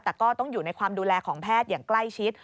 แต่ก็ต้องอยู่ในความดูแลของแพทย์อย่างใกล้ชิด